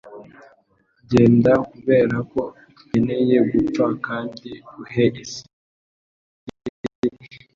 Genda, kubera ko nkeneye gupfa, Kandi uhe isi ikinyoma.